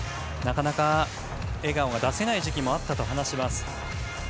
なかなか笑顔が出せない時期もあったと話します。